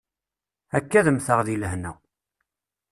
Akka ad mmteɣ deg lehna.